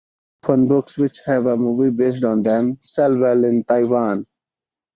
Often books which have a movie based on them sell well in Taiwan.